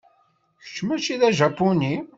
Kečč mačči d ajapuni.